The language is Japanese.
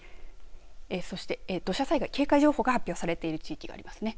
そして土砂災害警戒情報が発表されている地域がありますね。